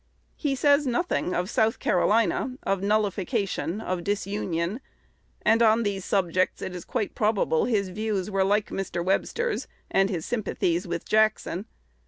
He says nothing of South Carolina, of nullification, of disunion; and on these subjects it is quite probable his views were like Mr. Webster's, and his sympathies with Jackson.